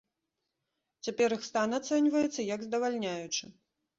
Цяпер іх стан ацэньваецца як здавальняючы.